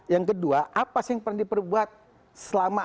yang kedua apa sih yang pernah diperbuat selama